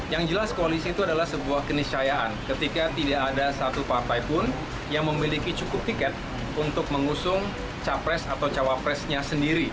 yang jelas koalisi itu adalah sebuah keniscayaan ketika tidak ada satu partai pun yang memiliki cukup tiket untuk mengusung capres atau cawapresnya sendiri